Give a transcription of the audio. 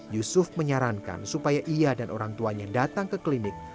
yusuf menyarankan supaya ia dan orang tuanya datang ke klinik